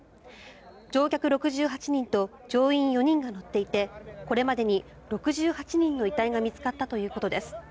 乗客６８人と乗員４人が乗っていてこれまでに６８人の遺体が見つかったということです。